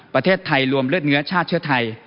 ประเทศไทยรวมเลือดเนื้อชาติเชื้อไทย